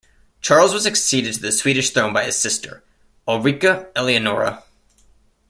Charles was succeeded to the Swedish throne by his sister, Ulrika Eleonora.